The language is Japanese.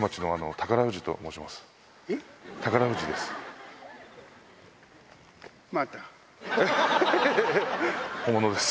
宝富士です。